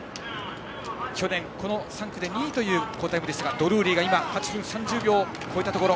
去年、この３区で２位という好タイムでしたがドルーリーが８分３０秒を越えたところ。